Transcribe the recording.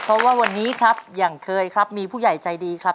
เพราะว่าวันนี้ครับอย่างเคยครับมีผู้ใหญ่ใจดีครับ